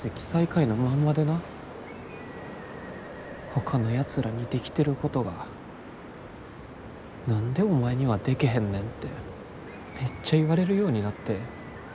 ほかのやつらにできてることが何でお前にはでけへんねんてめっちゃ言われるようになって。